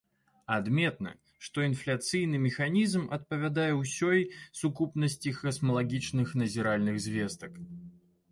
Адметна, што інфляцыйны механізм адпавядае ўсёй сукупнасці касмалагічных назіральных звестак.